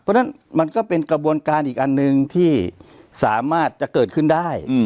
เพราะฉะนั้นมันก็เป็นกระบวนการอีกอันหนึ่งที่สามารถจะเกิดขึ้นได้